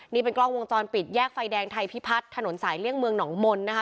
นี่เป็นกล้องวงจรปิดแยกไฟแดงไทยพิพัฒน์ถนนสายเลี่ยงเมืองหนองมนต์นะคะ